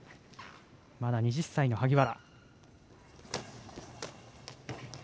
まだ２０歳の萩原。